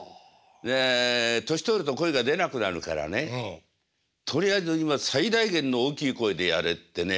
で年取ると声が出なくなるからねとりあえず今最大限の大きい声でやれってね